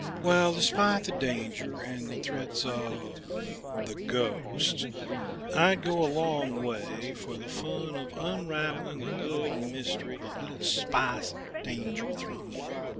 "Well, despite the danger and the threats of the ghost I'd go a long way for the fun of unraveling a good mystery with a little spice of danger thrown in."